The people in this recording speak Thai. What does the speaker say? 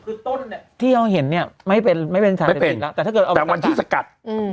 คือต้นเนี่ยที่เราเห็นเนี่ยไม่เป็นชาเสพติดแล้วแต่ถ้าเกิดวันที่สกัด